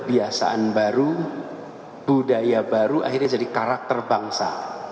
kebiasaan baru budaya baru akhirnya jadi karakter bangsa